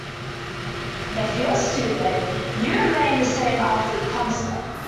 If you're stupid, you remain the same after the concert.